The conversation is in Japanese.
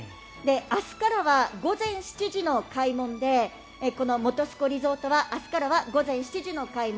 明日からは午前７時の開門でこの本栖湖リゾートは明日からは午前７時の開門。